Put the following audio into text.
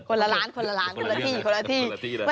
คนละล้านคนละที่คนละที่